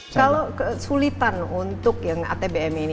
kalau kesulitan untuk yang atbm ini